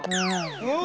うん。